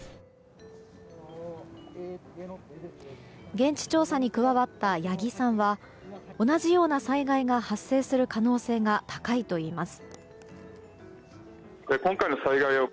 現地調査に加わった八木さんは同じような災害が発生する可能性が高いといいます。